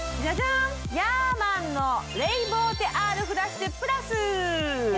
ヤーマンのレイボーテｒＲフラッシュＰＬＵＳ